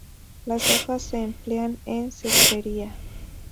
Las hojas se emplean en cestería.